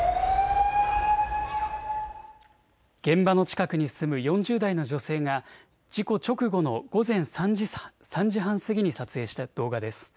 現場の近くに住む４０代の女性が事故直後の午前３時半過ぎに撮影した動画です。